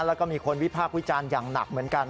แล้วก็มีคนวิพากษ์วิจารณ์อย่างหนักเหมือนกัน